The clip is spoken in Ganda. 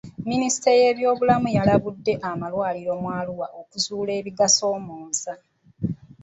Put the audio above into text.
Munisitule y'ebyobulamu yalambudde amalwaluro mu Arua okuzuula ebigasoomooza.